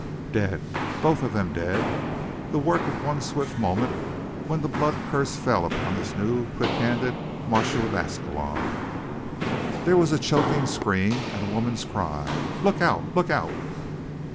Dead. Both of them dead. The work of one swift moment when the blood curse fell on this new, quick handed marshal of Ascalon. There was a choking scream, and a woman's cry. "Look out! look out!"